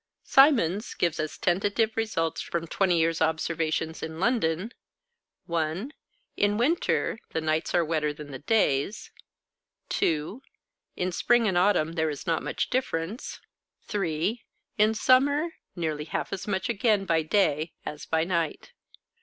Symons gives as tentative results from twenty years' observations in London (1) In winter, the nights are wetter than the days; (2) in spring and autumn, there is not much difference; (3) in summer, nearly half as much again by day as by night.